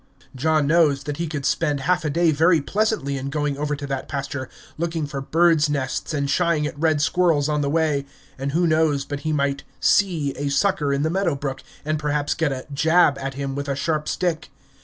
John knows that he could spend half a day very pleasantly in going over to that pasture, looking for bird's nests and shying at red squirrels on the way, and who knows but he might "see" a sucker in the meadow brook, and perhaps get a "jab" at him with a sharp stick.